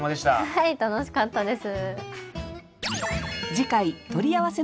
はい楽しかったです。